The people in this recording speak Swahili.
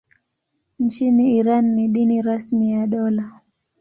Nchini Iran ni dini rasmi ya dola.